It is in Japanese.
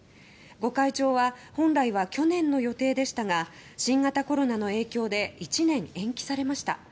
御開帳は本来は去年の予定でしたが新型コロナの影響で１年延期されました。